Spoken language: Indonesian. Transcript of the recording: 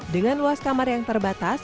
dengan luas kamar yang terbatas